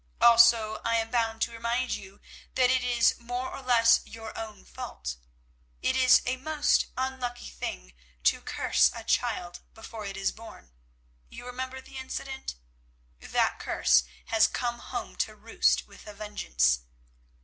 Also I am bound to remind you that it is more or less your own fault. It is a most unlucky thing to curse a child before it is born—you remember the incident? That curse has come home to roost with a vengeance.